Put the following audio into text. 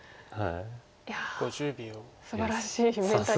いやすばらしいメンタリティー。